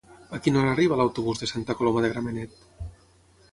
A quina hora arriba l'autobús de Santa Coloma de Gramenet?